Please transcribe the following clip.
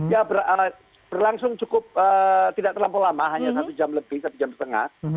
ya berlangsung cukup tidak terlampau lama hanya satu jam lebih satu jam setengah